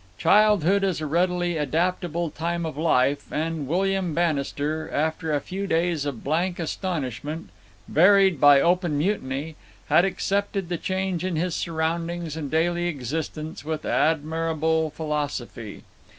Childhood is a readily adaptable time of life, and William Bannister, after a few days of blank astonishment, varied by open mutiny, had accepted the change in his surroundings and daily existence with admirable philosophy.